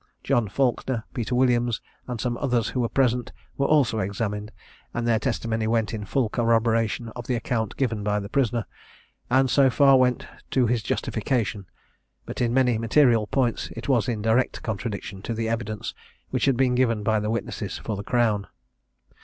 John Falkner, Peter Williams, and some others who were present, were also examined, and their testimony went in full corroboration of the account given by the prisoner, and so far went to his justification; but in many material points it was in direct contradiction to the evidence which had been given by the witnesses for the Crown.